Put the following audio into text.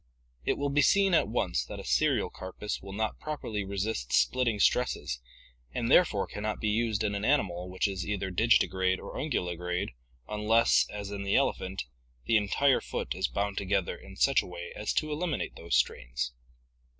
It will be seen at once that a serial carpus will not properly resist splitting stresses and therefore can not be used in an animal which is either digiti grade or unguligrade unless, as in the ele phant, the entire foot is bound together in such a way as to eliminate these strains.